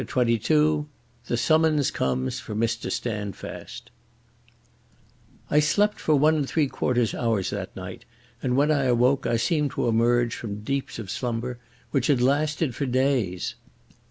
CHAPTER XXII The Summons Comes for Mr Standfast I slept for one and three quarter hours that night, and when I awoke I seemed to emerge from deeps of slumber which had lasted for days.